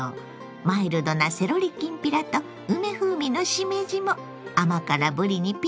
マイルドなセロリきんぴらと梅風味のしめじも甘辛ぶりにピッタリ！